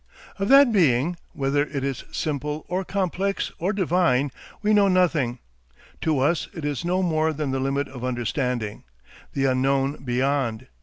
Of that Being, whether it is simple or complex or divine, we know nothing; to us it is no more than the limit of understanding, the unknown beyond.